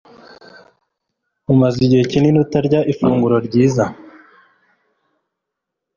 amaze igihe kinini atarya ifunguro ryiza.